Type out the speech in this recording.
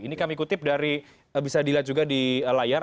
ini kami kutip dari bisa dilihat juga di layar